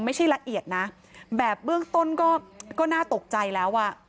ไม่ใช่ละเอียดนะแบบเบื้องต้นก็น่าตกใจแล้ว